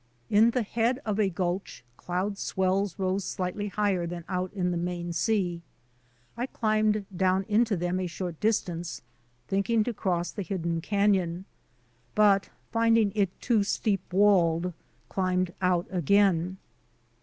In the head of a gulch cloud swells rose slightly higher than out in the main sea. I climbed down into them a short distance, thinking to cross the hidden canon, but, finding it too steep walled, climbed out again.